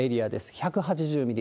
１８０ミリ。